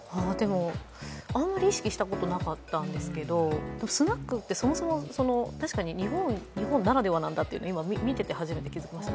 あんまり意識したことなかったんですけど、スナックってそもそも、確かに日本ならではなんだというのを見ていて初めて気付きました。